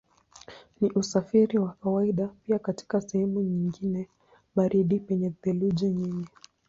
Ni usafiri wa kawaida pia katika sehemu nyingine baridi penye theluji nyingi.